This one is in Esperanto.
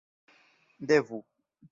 devu